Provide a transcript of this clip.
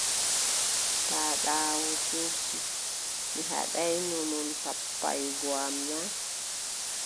Paaɗaawu toonti: mi haɗaayno on sappaagoy am na?